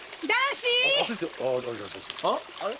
あれ？